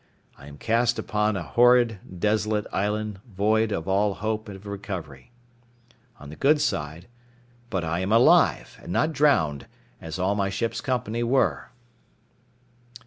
I am cast upon a horrible, desolate island, void of all hope of recovery. But I am alive; and not drowned, as all my ship's company were.